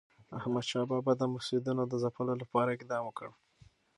احمدشاه بابا د مفسدینو د ځپلو لپاره اقدام وکړ.